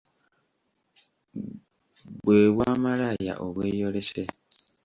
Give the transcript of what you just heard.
Bwe bwa malaaya obweyolese.